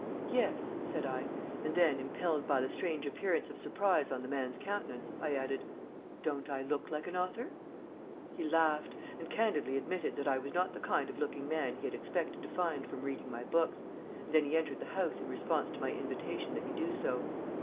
"Yes," said I; and then, impelled by the strange appearance of surprise on the man's countenance, I added, "don't I look like an author?" He laughed, and candidly admitted that I was not the kind of looking man he had expected to find from reading my books, and then he entered the house in response to my invitation that he do so.